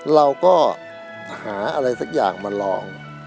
เราก็หาอะไรสักอย่างมาลอง